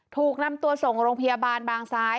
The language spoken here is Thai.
ถูกนำตัวส่งโรงพยาบาลบางซ้าย